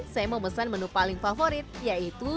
saya memesan menu paling favorit yaitu